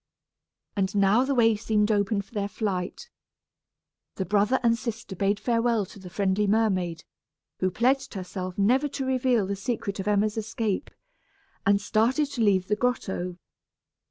And now the way seemed open for their flight. The brother and sister bade farewell to the friendly mermaid, who pledged herself never to reveal the secret of Emma's escape, and started to leave the grotto.